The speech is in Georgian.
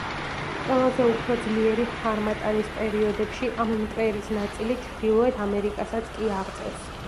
ყველაზე უფრო ძლიერი ჰარმატანის პერიოდებში ამ მტვერის ნაწილი ჩრდილოეთ ამერიკასაც კი აღწევს.